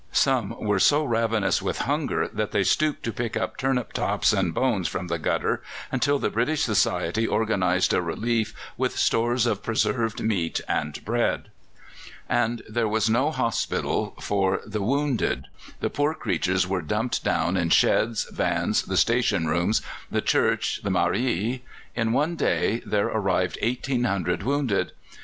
Some were so ravenous with hunger that they stooped to pick up turnip tops and bones from the gutter, until the British Society organized a relief with stores of preserved meat and bread. And there was no hospital for the wounded! the poor creatures were dumped down in sheds, vans, the station rooms, the church, the mairie. In one day there arrived 1,800 wounded.